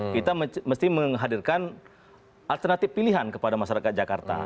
kita mesti menghadirkan alternatif pilihan kepada masyarakat jakarta